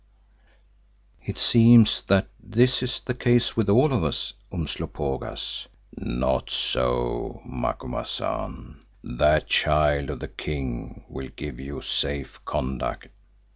"It seems that this is the case with all of us, Umslopogaas." "Not so, Macumazahn. That child of the King will give you safe conduct.